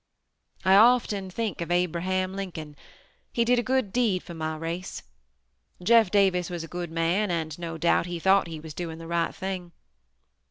"I often think of Abraham Lincoln; he did a good deed for my race. Jeff Davis was a good man and, no doubt, he thought he was doing the right thing.